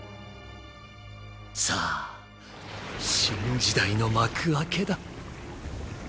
さあ新時代の幕開けだ。